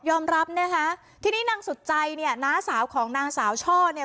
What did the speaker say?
รับนะคะทีนี้นางสุดใจเนี่ยน้าสาวของนางสาวช่อเนี่ย